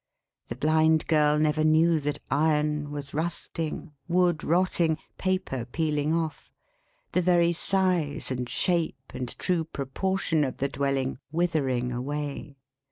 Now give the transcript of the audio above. The Blind Girl never knew that iron was rusting, wood rotting, paper peeling off; the very size, and shape, and true proportion of the dwelling, withering away.